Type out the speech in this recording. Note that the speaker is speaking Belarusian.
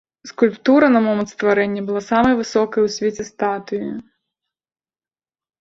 Скульптура на момант стварэння была самай высокай у свеце статуі.